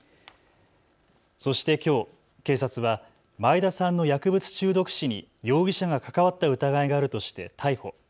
そして、きょう警察は前田さんの薬物中毒死に容疑者が関わった疑いがあるとして逮捕。